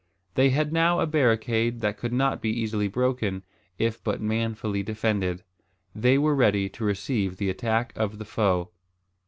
They had now a barricade that could not be easily broken, if but manfully defended. They were ready to receive the attack of the foe.